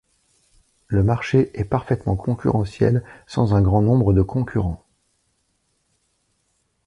Le marché est parfaitement concurrentiel sans un grand nombre de concurrents.